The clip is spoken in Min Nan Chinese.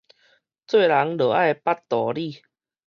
做人就愛捌道理